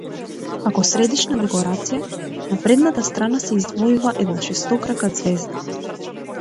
Како средишна декорација на предната страна се издвојува една шестокрака ѕвезда.